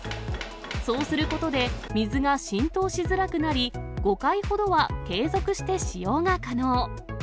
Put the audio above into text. そうすることで、水が浸透しづらくなり、５回ほどは継続して使用が可能。